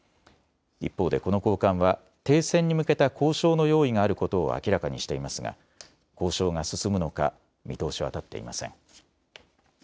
一方でこの高官は停戦に向けた交渉の用意があることを明らかにしていますが交渉が進むのか見通しは立っていません。